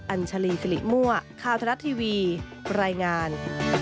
อัญชาลีสิริมั่วข่าวทรัฐทีวีรายงาน